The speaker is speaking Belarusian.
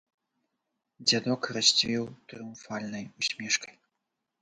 Дзядок расцвіў трыумфальнай усмешкай.